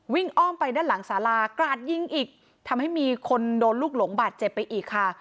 อ้อมไปด้านหลังสารากราดยิงอีกทำให้มีคนโดนลูกหลงบาดเจ็บไปอีกค่ะ